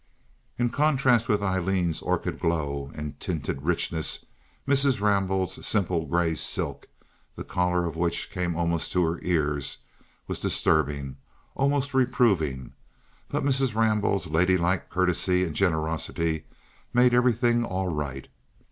In contrast with Aileen's orchid glow and tinted richness Mrs. Rambaud's simple gray silk, the collar of which came almost to her ears, was disturbing—almost reproving—but Mrs. Rambaud's ladylike courtesy and generosity made everything all right.